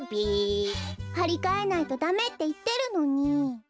はりかえないとダメっていってるのに！